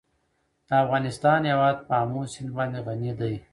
د افغانستان هیواد په آمو سیند باندې غني دی.